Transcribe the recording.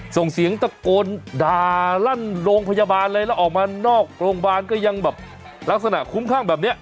ส่งเสียงตะโกนด่าลั่นโรงพยาบาลเลยแล้วออกมานอกโรงพยาบาลก็ยังแบบลักษณะคุ้มข้างแบบนี้